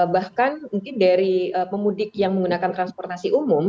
bahkan mungkin dari pemudik yang menggunakan transportasi umum